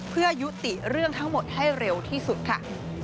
เพื่อยุติเรื่องทั้งหมดให้เร็วที่สุดค่ะ